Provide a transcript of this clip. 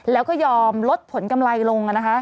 แล้วก็ยอมลดผลกำไรลง